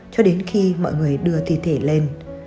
cho đến khi mọi người đưa thi thể lên